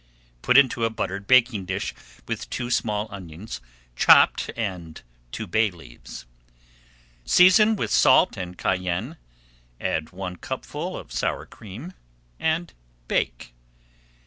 Put into a buttered baking dish with two small onions chopped and two bay leaves. Season with salt and cayenne, add one cupful of sour cream and bake.